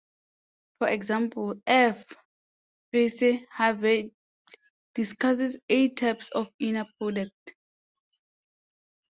For example, F. Reese Harvey discusses "eight types of inner product".